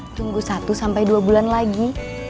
tunggu satu sampai dua bulan lagi